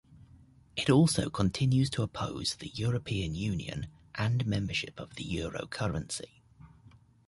It also continues to oppose the European Union and membership of the euro currency.